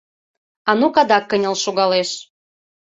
— Анук адак кынел шогалеш.